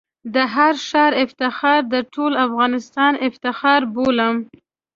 د هر ښار افتخار د ټول افغانستان افتخار بولم.